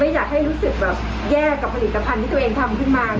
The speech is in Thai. อยากให้รู้สึกแบบแย่กับผลิตภัณฑ์ที่ตัวเองทำขึ้นมา